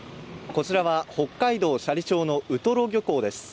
こちらは北海道斜里町のウトロ漁港です